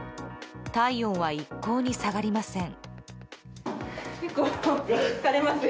体温は一向に下がりません。